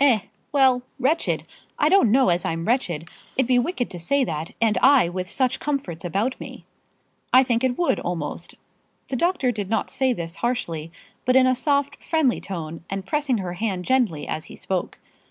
"Eh; well; wretched! I don't know as I'm wretched. It'd be wicked to say that, and I with such comforts about me." "I think it would, almost." The doctor did not say this harshly, but in a soft, friendly tone, and pressing her hand gently as he spoke.